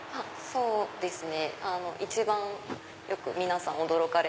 そうですね。